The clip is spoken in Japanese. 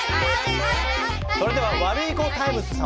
それではワルイコタイムス様！